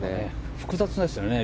複雑ですよね。